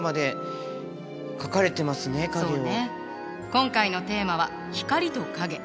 今回のテーマは「光と影」。